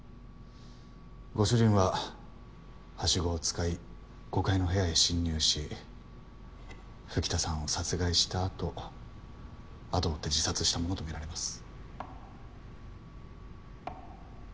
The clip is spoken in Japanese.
ご主人はハシゴを使い５階の部屋へ侵入し吹田さんを殺害した後後を追って自殺したものとみられます。